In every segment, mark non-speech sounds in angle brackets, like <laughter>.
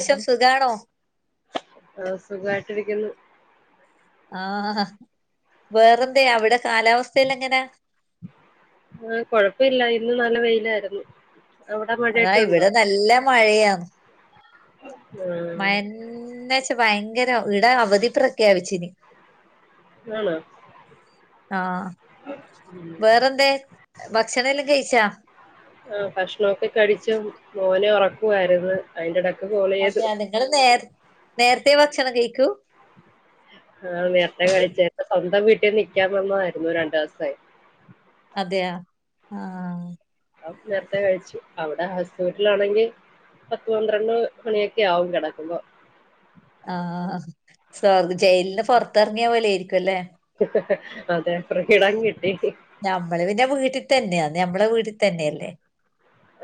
ഏഷം സുഖാണോ ആഹ് സുഖമായിട്ടിരിക്കുന്നു ആഹ് വേറന്തെ അവ്ടെ കാലാവസ്തെല്ല എങ്ങനെ ആഹ് കൊഴപ്പില്ല ഇന്ന് നല്ല വെയിലായിരുന്നു അവിടെ അതാ മഴയൊക്കെ ഉണ്ടോ ഇവിടെ നല്ല മഴയാന്ന് ഹാ മയെന്നെ ച്ച ഭയങ്കര ഇടെ അവധി പ്രഖ്യാപിച്ചിന് ആണോ ആ വേറെന്തെ ഭക്ഷണെല്ലാം കഴിച്ചാ ആ ഭക്ഷണൊക്കെ കഴിച്ചു മോനെ ഉറക്കുവായിരുന്നു അയ്ന്റെ ടക്ക് കോളെയ് താ ങ്ങൾ നേർ നേരത്തെ ഭക്ഷണം കഴിക്കൊ ആഹ് നേര്ത്തെ കഴിച്ച് എന്റെ സ്വന്തം വീട്ടിൽ നിൽക്കാൻ വന്നതായിരുന്നു രണ്ടു ദിവസെ അതെയ ആഹ് അപ്പ നേര്ത്തെ കഴിച്ചു അവിടെ ഹസ് വീട്ടിലാണെങ്കി പത്ത് പന്ത്രണ്ട് മണിയൊക്കെ ആവും കെടക്കുമ്പൊ ആഹ് സ്വാദ് ജയിൽന്ന് പൊർത്തെറങ്ങിയ പോലെ ആയിരിക്കുംല്ലേ അതെ ഫ്രീഡം കിട്ടി ഞമ്മള് പിന്നെ വീട്ടി തന്നെയാ ഞമ്മളെ വീട്ടിൽ തന്നെയല്ലേ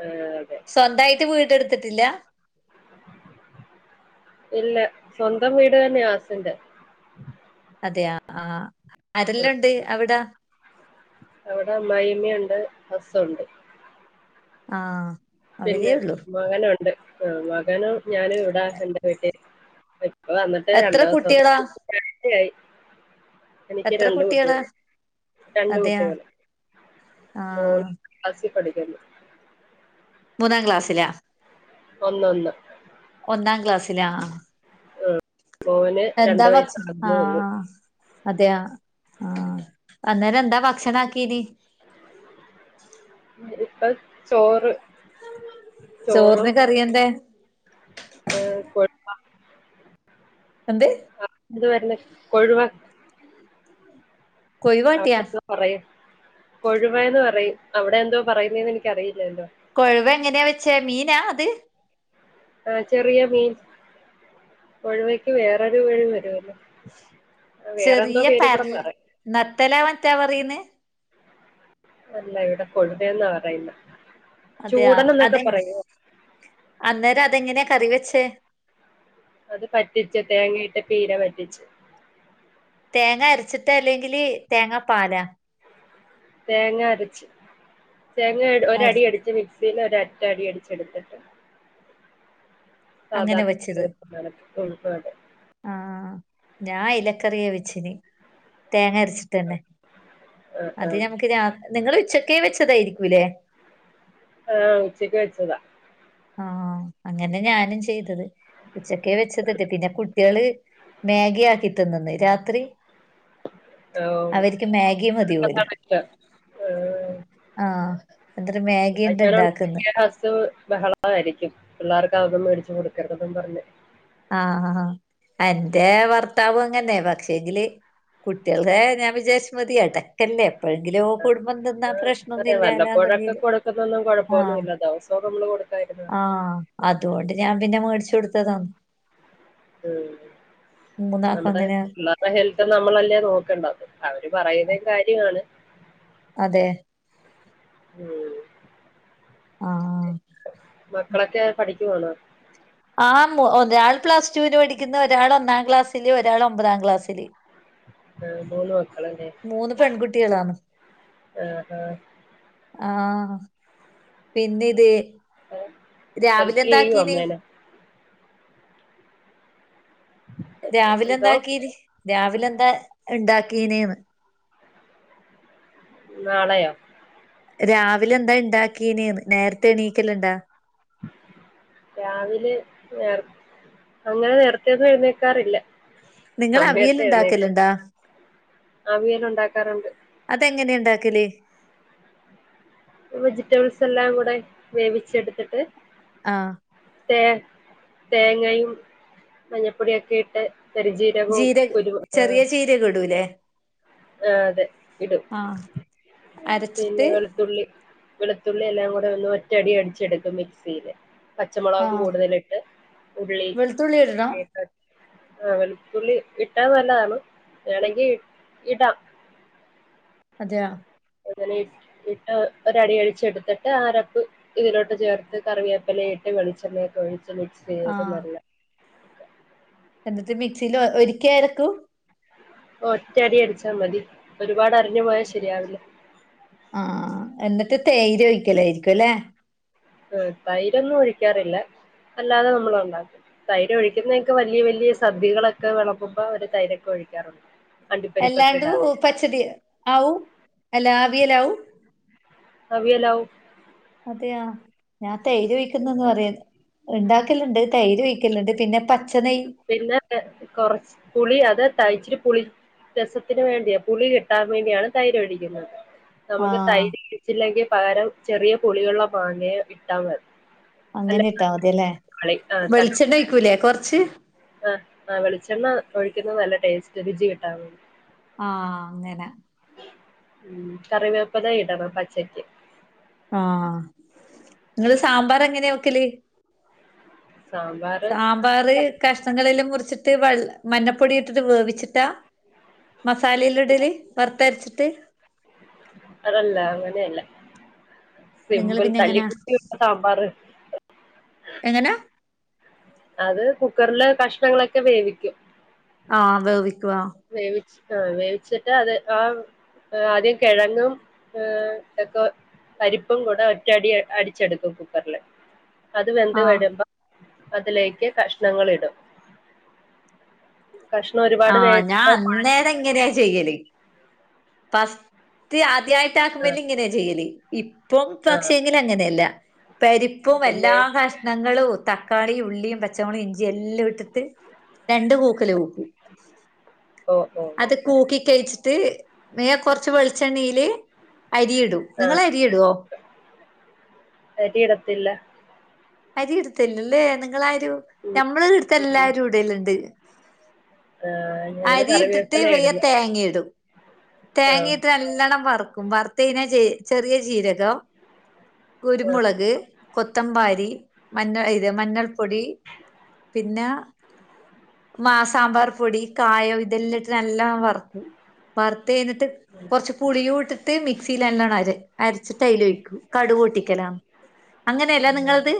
ആഹ് അതെ സ്വന്തായിട്ട് വീടെടുത്തിട്ടില്ല ഇല്ല സ്വന്തം വീട് തന്നെയ ഹസിന്റെ അതെയ ആഹ് അരെല്ല ണ്ട് അവിടെ അവിടെ അമ്മായിമ്മ്യുണ്ട് ഹസുണ്ട്. ആഹ്. പിന്നെ അവരേ ഉള്ളൂ മകനുണ്ട് മകനും ഞാനും ഇവിടെ എന്റെ വീട്ടി പ്പവന്നിട്ട് എത്ര രണ്ട് കുട്ടികളാ ദിവസംക്കയായി. എനിക്ക് എത്ര രണ്ട് കുട്ടികളാ കുട്ടികള് രണ്ട് അതെയാ കുട്ടികള് മോ ആഹ് അസി പഠിക്കുന്നു. മൂന്നാം ക്ലാസ്സിലാ. ഒന്ന് ഒന്ന് ഒന്നാം ക്ലാസ്സിലാ. മോന് രണ്ട് എന്താ വച് വയസ്സാകുന്നേ ഉള്ളൂ ആഹ. അതെയ ആ അന്നേരം എന്താ ഭക്ഷണ ആക്കീത്. മ ഇപ്പ ചോറ് ചോറിന് കറിയെന്തേ? ഏ എന്ത്. ന്നുവാരുന്ന് കൊഴുവാൻ കൊഴുവാട്ടിയാ. അവിടെ എന്തോ പറയും കൊഴുവന്ന് പറയും അവിടെ എന്തോ പറയുന്നന്ന് എനിക്കറിയില്ലലോ. കൊഴുവ എങ്ങനെയാ വെച്ചേ മീനാ അത്. ആ ചെറിയ മീൻ കൊഴുവയ്ക്ക് വേറൊരു പേരു വരുവല്ലോ? വേറെന്തോ ചെറിയ പേര് കൂടെ പരൽ പറയും. നത്തലാ മറ്റാ പറയന്ന്. അല്ല ഇവിടെ കൊടുതന്നാ പറയുനെ അതെയാ ചൂടൻ എന്നൊക്കെ അതെ പറയും അന്നേരം അതെങ്ങനെയാ കറി വെച്ചേ. അത് പറ്റിച്ചു തേങ്ങയിട്ട പീര പറ്റിച്ച്. തേങ്ങ അരച്ചിട്ട് അല്ലകില് തേങ്ങാ പാലാ തേങ്ങ അരച്ച് തേങ്ങ ഒരു അര അടി അടിച്ച് മിക്സിൽ ഒ രൊറ്റ അടി അടിച്ച് ഇടുത്തിട്ട്. സാധാ അങ്ങനെ കൂട്ടാനൊക്കെ <unintelligible> ആഹ ഞാൻ ഇലക്കറിയെ വെച്ചന് തേങ്ങ അരച്ചിട്ടന്നെ ആഹ് അത് ആഹ് ഞമുക്ക് രാത്രി നിങ്ങൾ ഉച്ചക്കേ വെച്ചതായിരിക്കൂല്ലേ. ആ ഉച്ചയ്ക്ക് വെച്ചതാ. ആഹ അങ്ങനെ ഞാനും ചെയ്തത്. ഉച്ചക്കെ വെച്ചത്തിട്ട് പിന്നെ കുട്ടികള് മാഗി ആക്കി തിന്നന്ന്. രാത്രി <inaudible> <inaudible> അവർക്ക് മാഗി മതി പോല് ആഹ് എന്നിട്ട് മാഗിണ്ട് ഇണ്ടാക്കുന്ന് ആയിരിക്കും പിള്ളേർക്ക് അതൊന്നും മേടിച്ചു കൊടുക്കരുതന്നും പറഞ്ഞ്. ആഹ ആ എന്റെ ഭർത്താവും അങ്ങനെ പക്ഷെങ്കില്. കുട്ടികള ഞാൻ വിചാരിച്ച മതി അടക്കല്ലേ എപ്പോഴെങ്കിലും കുടുംബം എന്തിന്നാ അതെ വല്ലപ്പോഴൊക്കെ കൊടുക്കുന്നൊന്നും കൊഴപ്പൊന്നല്ല ദിവസവും നമ്മള് കൊടുക്കാരുന്ന ആഹ അതുകൊണ്ട് ഞാൻ പിന്നെ മേടിച്ചു കൊടുത്തേക്കും. ഉം മൂന്നാക്കും നമ്മടെ അങ്ങനെ പിള്ളേർ ഹെൽത്ത് നമ്മളല്ലേ നോക്കണ്ട അവര് പറയുന്ന കാര്യമാണ്. അതെ ഉം ആഹ് മക്കളൊക്കെ പഠിക്കുവാണോ ആഹ്മൊ ഒരാൾ പ്ലസ് ടുവിന് പഠിക്കുന്നു ഒരാൾ ഒന്നാം ക്ലാസ്സില് ഒരാൾ ഒമ്പതാം ക്ലാസ്സില് ആഹ് മൂന്ന് മക്കളന്നെ മൂന്ന് പെൺകുട്ടിയളാണ്. ആഹ് പിന്നെ ഇത് ഹെൽപ് രാവിലെ ചെയ്യോ എന്താക്കീന്? അമ്മേനെ രാവിലെ എന്തോ എന്താക്കീന്? രാവിലെ എന്താ ഇണ്ടാക്കീനേന്ന്. നാളെയോ? രാവിലെ എന്താ ഇണ്ടാക്കീന്യേന്ന്, നേരത്തെ എണീക്കല്ല ഇണ്ടാ? രാവിലെ എർ അങ്ങനെ നേർത്തെയൊന്നും എഴുന്നേക്കാറില്ല. നിങ്ങൾ അവിയൽ സമയത്തേ എഴ്ന്നേക്കാൻ, ഇണ്ടാക്കലുണ്ടാ അവിയലുണ്ടാക്കാറുണ്ട് അതെങ്ങെനേണ്ടാക്കല്? വെജിറ്റബിൾസെല്ലാം കൂടെ വേവിച്ചെട്ത്തിട്ട് ആഹ് തേ തേങ്ങയും മഞ്ഞപ്പൊടിയൊക്കെയിട്ട് പെര് ജീരകവും കുരു ഏഹ് ഇഞ്ച്യൊക്കെടൂലെ? ആഹ് അതെ ഇടും. ആഹ് പിന്നെ അരച്ചിട്ട് വെളുത്തുള്ളി വെളുത്തുള്ളി എല്ലാം കൂടെ ഒന്ന് ഒറ്റടി അടിച്ചെടുക്കും മിക്സീല്. പച്ചമുളക് ആഹ് കൂടുതലിട്ട് ഉള്ളി വെളുത്തുള്ളി ഇടണം എക്കെ ട്ട്. ആഹ് വെളുത്തുള്ളി ഇട്ടാ നല്ലതാണ് വേണങ്കി ഇടാ. അതെയോ അങ്ങനെ ഇട്ട് ഒരടി അടിച്ചടുത്തിട്ട് ആ അരപ്പ് ഇതിലോട്ട് ചേർത്ത് കറിവേപ്പില ഇട്ട് വെളിച്ചെണ്ണയൊക്കെ ഒഴിച്ച് മിക്സ്ചെയ്ത് ആഹ് നല്ല എന്നിട്ട് മിക്സീല് ഒരിക്കെ അരക്കൂ? ഓഹ് ഒറ്റടി അടിച്ചാമതി. ഒരുപാട് അരഞ്ഞുപോയാ ശരിയാവില്ല. ആഹ് ആഹ് എന്നിട്ട് തൈര് ഒഴിക്കലായിരുക്കു അല്ലേ. ആഹ് തൈരൊന്നും ഒഴിക്കാറില്ല അല്ലാതെ ന്നമ്മള്ണ്ടാക്കും തൈരൊഴിക്കുന്നതൊക്കെ വല്യ വല്യ സദ്യകളൊക്കെ വെളമ്പുമ്പോ അവര് തൈരൊക്കെ ഒഴിക്കാറ്ണ്ട്. അല്ലാണ്ട് പച്ചടി ആവും അല്ലാ അവിയലാവും? അവിയലാവും. അതെയാ ഞാൻ തൈര് ഒഴിക്കുന്നെന്ന് പറയുന്ന്. ഇണ്ടാക്കല്ണ്ട് തൈര് ഒഴിക്കല്ണ്ട് പിന്നെ പച്ച നെയ് പിന്നെ കൊറച്ച് പുളി അത് തയ് ഇച്ചിരി പുളി രസത്തിന് വേണ്ടിയാ പുളി കിട്ടാൻ വേണ്ടിയാണ് തൈര് ഒഴിക്കുന്നത്. നമുക്ക് ആഹ് തൈര് <unintelligible> ച്ചില്ലെങ്കി പകരം ചെറിയ പുളിയുള്ള മാങ്ങയൊ ഇട്ടാ മതി. അങ്ങനെ അല്ലെങ്കിൽ ഇട്ടാമതിയല്ലേ. കളി വെളിച്ചെണ്ണ ഒഴിക്കൂലേ കൊർച്ച്? ആഹ് ആഹ് വെളിച്ചെണ്ണ ഒഴിക്കുന്ന നല്ല ടേസ്റ്റാ രുചി കിട്ടാൻവേണ്ടി. ആഹ് അങ്ങന ഉം കറിവേപ്പെല ഇടണം പച്ചക്ക്. ആഹ് ഇങ്ങള് സാമ്പാറെങ്ങനെ വെക്കല്? സാം സാമ്പാറ് കഷ്ണങ്ങളല്ലാം മുറിച്ചിട്ട് വെൾള മഞ്ഞപ്പൊടിയിട്ടിട്ട് വേവിച്ചിട്ടാ? മസാലെയെല്ലു ഇടല് വർത്തര്ച്ചിട്ട്. അതല്ല അങ്ങനെയല്ല. നിങ്ങള് സിമ്പിൾ പിന്നെ തല്ലി എങ്ങനാ ക്കൂട്ടി ഒരു സാമ്പാർ എങ്ങനാ അത് കുക്കറ്ല് കഷ്ണങ്ങളൊക്കെ വേവിക്കും ആഹ് വേവിക്കും ആഹ് വേവിച്ച് ആഹ് വേവിച്ചിട്ട് അത് ആഹ് ഏഹ് ആദ്യം കെഴങ്ങും ഏഹ് ഇതൊക്ക പരിപ്പും കൂടെ ഒറ്റടി അടിച്ചെടുക്കും കുക്കറ്ല് അത് വെന്ത് ആഹ് വരുമ്പോ അതിലേക്ക് കഷ്ണങ്ങള് ഇടും കഷ്ണം ഒരുപാട് വേ ആഹ് ഞാൻ അന്നേരം ഇങ്ങനെയാ ചെയ്യല് പസ്റ്റ് ആദ്യായിട്ട് ആഹ് ആക്കുമ്പേല് ഇങ്ങനെയാ ചെയ്യല് ഇപ്പം ആഹ് പക്ഷെ <unintelligible> അങ്ങനെല്ല പരിപ്പും എല്ലാ പിന്നെ കഷ്ണങ്ങളും ത ക്കാളി ഉള്ളിയും പച്ചമൊളകും ഇഞ്ചി എല്ലാ എ ടുത്തിട്ട് രണ്ട് കൂക്കല് കൂക്കും ഓ ഓ അത് കൂക്കി കഴിച്ചിട്ട് <unintelligible> കൊറച്ച് വെളിച്ചണ്ണേല് അരിയിടും നിങ്ങള് അരിയിടോ അരി ഇടത്തില്ല അരി ഇടത്ത്ല്ലല്ലേ നിങ്ങളാരും ഉം ഞമ്മള് ഇട്ത്തെ ഉം എല്ലാരും ഇടല്ണ്ട് ആഹ് ഞങ്ങള് അരി ഇട്ടിട്ട് കറിവേപ്പില വെയ്യെ ഇടുന്നു തേങ്ങയിടും ആഹ് തേങ്ങയിട്ട് നല്ലോണം വറ്ക്കും വറ് ത്ത് കഴിഞ്ഞാ ചെ ചെറിയ ചീരകം കുരുമുളക് കൊത്തമ്പാരി മഞ്ഞ ഇത് മഞ്ഞൾപ്പൊടി പിന്ന മാ സാമ്പാർ പൊടി കായം ഇതെല്ലാം ഇട്ട് നല്ലോണം വറ്ക്കും വറുത്ത് കഴിഞ്ഞിട്ട് കൊറച്ച് പുളിയും ഇട്ട് ട്ട് മിക്സില് നല്ലോണം അര അരച്ചിട്ട് അയ്ല് ഒഴിക്കും കടുക് പൊട്ടിക്കല അങ്ങന അല്ലേ നിങ്ങളത്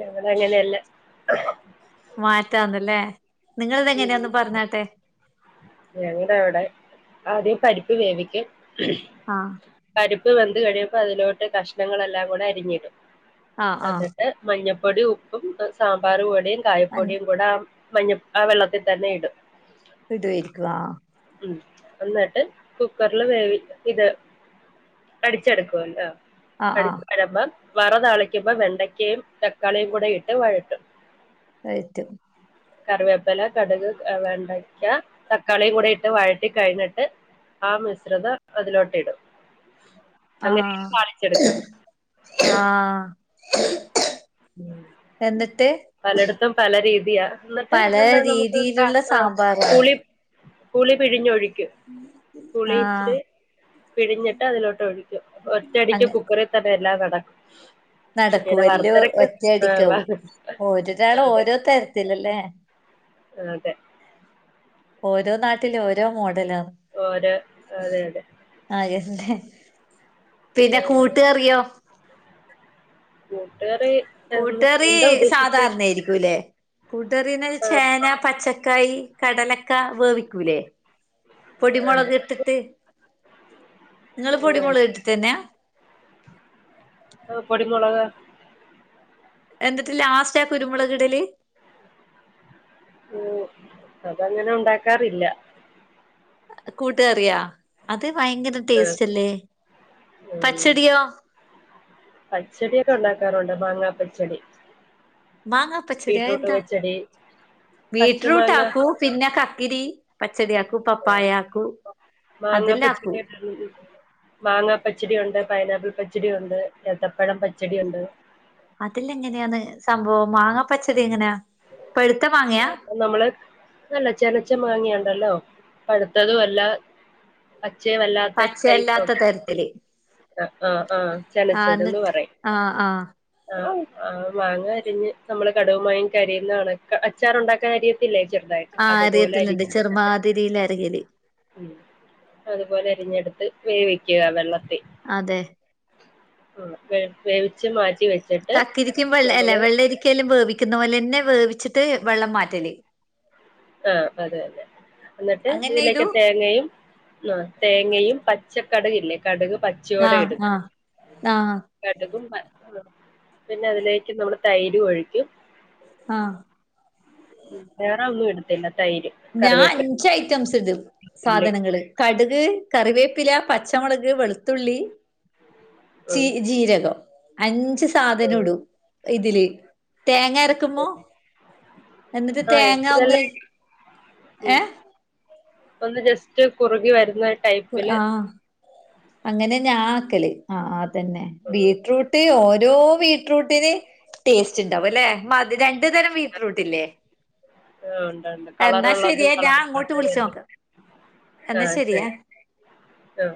ഞങ്ങള് അങ്ങനെയല്ല മാറ്റാന്ന് ല്ലേ നിങ്ങളത് എങ്ങനെയാ ഒന്ന് പറഞ്ഞാട്ടെ ഞങ്ങടെ അവിടെ ആദ്യം പരിപ്പ് വേവിക്കും ആഹ് പരിപ്പ് വെന്ത് കഴിയുമ്പോ അതിലോട്ട് കഷ്ണങ്ങളെല്ലാം കൂടെ അരിഞ്ഞിടും ആഹ് ആഹ് എന്നിട്ട് മഞ്ഞപ്പൊടീം ഉപ്പും സാമ്പാർ പൊടിയും കായപ്പൊടിയും കൂടെ മഞ്ഞ ആ വെള്ളത്തിൽ തന്നെ ഇടും ഇടുവായിരിക്കും ആഹ് ഉം എന്നിട്ട് കുക്കറില് വേവി ഇത് അടിച്ചെടുക്കുവല്ലോ ആഹ് ആഹ് അടിച്ചു വാരുമ്പം വറ താളിക്കുമ്പോ വെണ്ടക്കയും തക്കാളിയും കൂടെ ഇട്ട് വഴട്ടും വയറ്റും കറിവേപ്പില കടുക് വെണ്ടയ്ക്ക തക്കാളിയും കൂടെ ഇട്ട് വഴറ്റി കഴിഞ്ഞിട്ട് ആ മിശ്രിതം അതിലോട്ട് ഇടും അങ്ങനെയാണ് ആഹ് താളിച്ചെടുക്കുന്നത് ആഹ് ഉം എന്നിട്ട് പലടത്തും പല രീതിയാ എന്നിട്ട് പല ഇത് എന്താ നമുക്ക് ക രീതിയിലുള്ള ആഹ് സാമ്പാറാണ് പുളി പുളി പിഴിഞ്ഞൊഴിക്കും പുളി ആഹ് ഇച്ചിരി പിഴിഞ്ഞിട്ട് അതിലോട്ട് ഒഴി ക്കും അങ്ങ ഒറ്റടിക്ക് കുക്കറിൽ തന്നെ എല്ലാം നടക്കും ഇങ്ങനെ നടക്കൂവല്ലോ വറുത്തരക്ക് ആ, ഒറ്റയടിക്കാവൂ വ- ഓരൊരാള് ഓരോ തരത്തിലല്ലേ ആഹ് അതെ ഓരോ നാട്ടില് ഓരോ മോഡലാ ഓരോ അതെ അതെ അഹന്നെ പിന്നെ ഞാൻ കൂട്ട്കറിയോ കൂട്ടുകറി എന്ന് കൂട്ട്കറി എന്താ ഉദ്ദേശിച്ചെ സാധാരണായിരിക്കുല്ലേ കൂട്ട്കറീന്ന് വെച്ച ചേന പച്ചക്കായി കടലക്ക വേവിക്കൂലേ പൊടിമൊളക് ആഹ് ഇട്ടിട്ട് ങ്ങള് പൊടിമുളക് ഇട്ടിട്ട്ന്നെയാ ആഹ് പൊടിമൊളക എന്നിട്ട് ലാസ്‌റ്റാ കുരുമുളകിടല് ഉം അതങ്ങനെ ഉണ്ടാക്കാറില്ല കൂട്ട്കറിയാ അത് ഭയങ്കര ആഹ് ടേസ്റ്റ് അല്ലേ ഉം പച്ചടിയോ പച്ചടിയൊക്കെ ഉണ്ടാക്കാറുണ്ട് മാങ്ങാ പച്ചടി മാങ്ങ പച്ചടി അത് ബീറ്റ്റൂട്ട് എന്താ പച്ചടി ബീറ്റ്റൂട്ട് പച്ചമാങ്ങ ആക്കും പിന്നെ കക്കിരി പച്ചടി ആക്കും പപ്പായ ആഹ് ആക്കും അതെല്ലാ ആക്കൂ ഉം ഉം മാങ്ങാ പച്ചടി ഉണ്ട് പൈനാപ്പിൾ പച്ചടി ഉണ്ട് ഏത്തപ്പഴം പച്ചടി ഉണ്ട് അതെല്ലാ എങ്ങനെയാന്ന് സംഭവം മാങ്ങാ പച്ചടി എങ്ങനെയാ പഴുത്ത മാങ്ങയാ നമ്മള് അല്ല ചെനച്ച മാങ്ങയുണ്ടല്ലോ പഴുത്തതു അല്ല പച്ചയും അല്ലാത്ത ടൈപ്പൊണ്ട് തത്തലി ആഹ് ആഹ് ആഹ് ചെനച്ചത് ന്ന് എന്നിട്ട് പറയും ആഹ് ആഹ് ആഹ് ആഹ് മാങ്ങ അരിഞ്ഞ് നമ്മള് കടുവുമാങ്ങക്കരിയുന്നാണ്ക്ക് അച്ചാറുണ്ടാക്കാൻ അരിയത്തില്ലേ ചെറുതായിട്ട് ആഹ് അതുപോലെ അരിയത്തില്ണ്ട് അരിഞ്ഞെടുത്തിട്ട് ചെറുമാതിരിയിലരിയ്ല് ഉം അതുപോലെ അരിഞ്ഞെടുത്ത് വേവിക്കുക വെള്ളത്തി അതെ ഉം വെ വേവി ച്ച് മാറ്റി വെ കക്കിരിക്കേം വെള്ള അല്ല വെള്ളരിക്കേല്ലാം വേവിക്കുന്ന പോലെ തന്നെ വേവിച്ചിട്ട് വെള്ളം മാറ്റല് ആഹ് അതെ അതെ അന്നിട്ട് അങ്ങനെയ്തു ഇതിലേക്ക് തേങ്ങയും ആഹ് തേങ്ങയും പച്ചക്കട്ക് ഇല്ലേ കട്ക് പച്ച് ആഹ് ആഹ് ആഹ് കട്കും പ പിന്നെ അതിലേക്ക് നമ്മള് തൈര് ഒഴിക്കും ആഹ് ഉം വേറെ ഒന്നു ഇടത്തില്ല തൈര് ഞാ കറിവേപ്പില അഞ്ച് ഐറ്റംസ് ഇടും ഉള്ളി സാധനങ്ങള് കടുക് കറിവേപ്പില പച്ചമുളക് വെളുത്തുള്ളി ചീ ഉം ജീരകം അഞ്ച് സാധനം ഉം ഇടും ഇതില് തേങ്ങാരക്കുമോ എന്നിട്ട് ആഹ് തേങ്ങ ഒന്ന് ഇതെല്ലാം ഉം ഏഹ് ഒന്ന് ജസ്റ്റ് കുറുകി വരുന്ന ടൈപ്പില് ആഹ് അങ്ങനെ ഞാ ആക്കല് ആഹ് അതന്നെ ഉം ബീറ്റ്റൂട്ട് ഓരോ വീ ട്രൂട്ടിന് ടേസ്റ്റ് ഇണ്ടാവും അല്ലെ മതിര രണ്ടു തരം ബീറ്റ്റൂട്ട് ഇല്ലേ ആഹ് ഉണ്ട് ഉണ്ട് എന്നാ കളറുള്ളതും ശരിയേ ഞാൻ അങ്ങോട്ട് വിളിച്ച് കളറില്ലാത്തതും നോക്ക് എന്നാ ശരി ഞാ ആഹ്